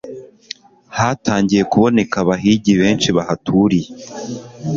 hatangiye kuboneka abahigi benshi bahaturiye